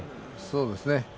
そうですね。